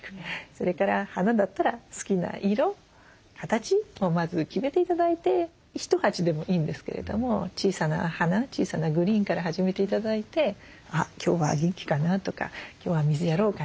それから花だったら好きな色形をまず決めて頂いて１鉢でもいいんですけれども小さな花小さなグリーンから始めて頂いて「あっ今日は元気かな」とか「今日は水やろうかな」